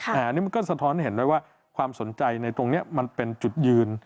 แต่อันนี้มันก็สะท้อนเห็นได้ว่าความสนใจในตรงนี้มันเป็นจุดยืน